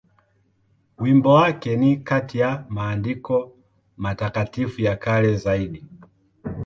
Wimbo wake ni kati ya maandiko matakatifu ya kale zaidi.